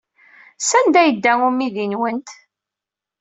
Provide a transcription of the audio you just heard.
Sanda ay yedda umidi-nwent?